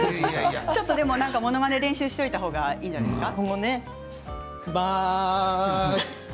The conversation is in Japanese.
ちょっと、ものまねを練習しておいた方がいいんじゃないですか？